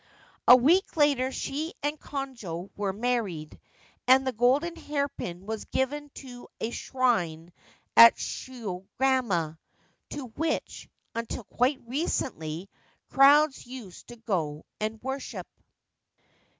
A week later she and Konojo were married, and the golden hairpin was given to a shrine at Shiogama, to which, until quite recently, crowds used to go and worship.